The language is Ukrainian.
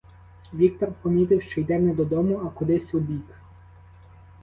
Віктор помітив, що йде не додому, а кудись убік.